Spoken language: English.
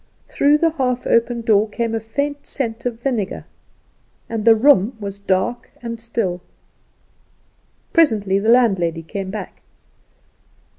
Through the half open door came a faint scent of vinegar, and the room was dark and still. Presently the landlady came back.